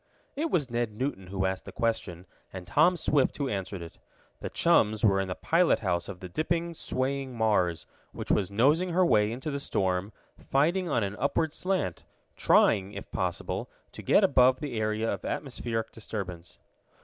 It was Ned Newton who asked the question, and Tom Swift who answered it. The chums were in the pilot house of the dipping, swaying Mars, which was nosing her way into the storm, fighting on an upward slant, trying, if possible, to get above the area of atmospheric disturbance.